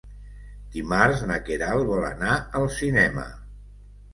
Dimarts na Queralt vol anar al cinema.